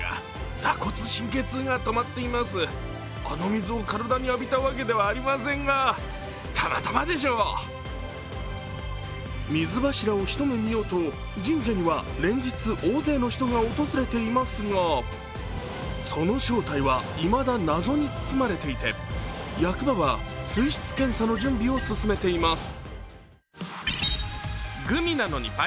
水柱を見にいったという４０代の男性は水柱を一目見ようと、神社には連日、大勢の人が訪れていますがその正体はいまだ謎に包まれていて役場は水質検査の準備を進めています。